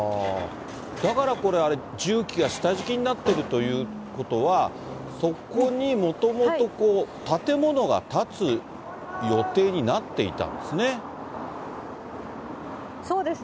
だからこれ、重機が下敷きになってるということは、そこにもともと、建物が建つ予定になっていたんですね。